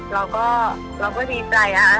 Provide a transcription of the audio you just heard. เราก็เราก็ดีใจนะคะ